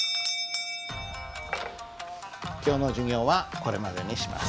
今日の授業はこれまでにします。